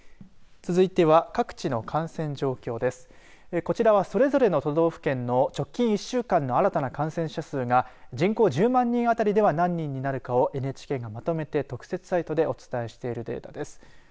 こちらは、それぞれの都道府県の直近１週間の新たな感染者数が人口１０万人あたりでは何人になるかをＮＨＫがまとめて特設サイトでお伝えしているデータです。